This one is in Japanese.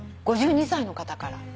５２歳の方から。